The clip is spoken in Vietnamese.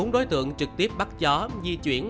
bốn đối tượng trực tiếp bắt chó di chuyển